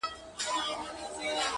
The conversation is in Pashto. • د زړه په هر درب كي مي ته اوســېږې.